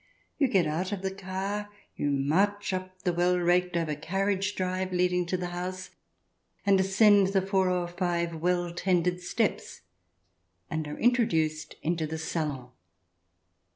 You get out of the car, you march up the well raked over carriage drive leading to the house, and ascend the four or five well tended steps, and are introduced into the salon.